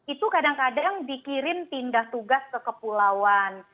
itu kadang kadang dikirim pindah tugas ke kepulauan